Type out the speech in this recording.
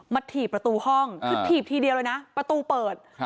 ถี่ประตูห้องคือถีบทีเดียวเลยนะประตูเปิด